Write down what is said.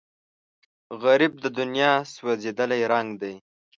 غریب د دنیا سوځېدلی رنګ دی